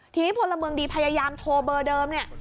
ทีนี้พลเมืองดีพยายามโทรเบอร์เดิมเนี่ย